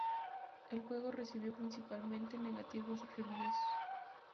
El juego recibió principalmente negativos reviews.